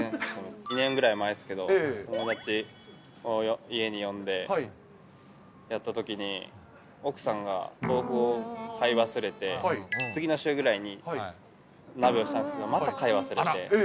２年前ぐらいですけど、友達を家に呼んでやったときに、奥さんが豆腐を買い忘れて、次の週ぐらいに鍋をしたんですけど、また買い忘れて。